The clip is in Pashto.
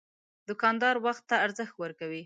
دوکاندار وخت ته ارزښت ورکوي.